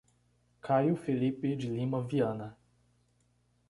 Caio Felipe de Lima Viana